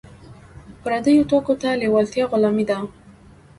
پردیو توکو ته لیوالتیا غلامي ده.